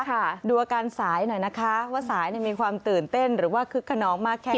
ค่ะดูอาการสายหน่อยนะคะว่าสายเนี่ยมีความตื่นเต้นหรือว่าคึกขนองมากแค่ไหน